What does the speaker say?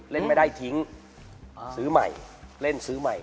เล่นไม่ได้ทิ้งซื้อใหม่เล่นซื้อใหม่